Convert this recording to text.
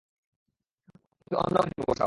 ওকে অন্য গাড়িতে বসাও।